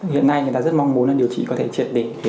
hiện nay người ta rất mong muốn điều trị có thể triệt để